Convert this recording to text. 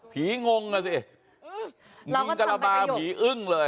งงอ่ะสิงกระบาผีอึ้งเลย